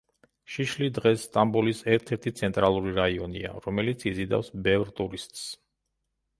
შიშლი დღეს სტამბოლის ერთ-ერთი ცენტრალური რაიონია, რომელიც იზიდავს ბევრ ტურისტს.